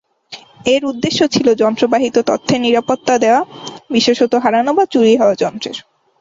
এর উদ্দেশ্য ছিল যন্ত্র-বাহিত তথ্যের নিরাপত্তা দেয়া, বিশেষত হারানো বা চুরি হওয়া যন্ত্রের।